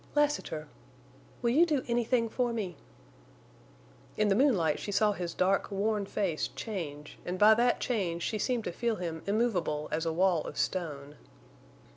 "Lassiter!... Will you do anything for me?" In the moonlight she saw his dark, worn face change, and by that change she seemed to feel him immovable as a wall of stone.